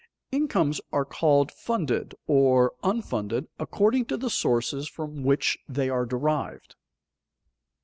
_Incomes are called funded or unfunded according to the sources from which they are derived.